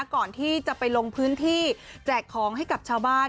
ก่อนที่จะไปลงพื้นที่แจกของให้กับชาวบ้าน